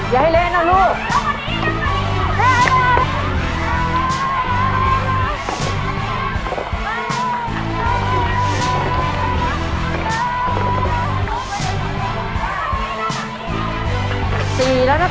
อย่าให้เล่นนะลูก